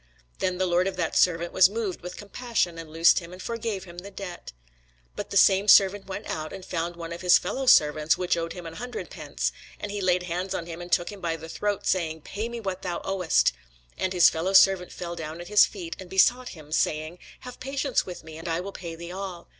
Then the lord of that servant was moved with compassion, and loosed him, and forgave him the debt. But the same servant went out, and found one of his fellowservants, which owed him an hundred pence: and he laid hands on him, and took him by the throat, saying, Pay me that thou owest. And his fellowservant fell down at his feet, and besought him, saying, Have patience with me, and I will pay thee all.